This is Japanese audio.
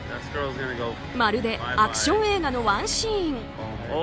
まるでアクション映画のワンシーン。